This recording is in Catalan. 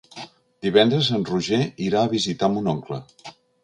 Divendres en Roger irà a visitar mon oncle.